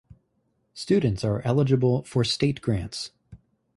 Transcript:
Students are eligible for state grants.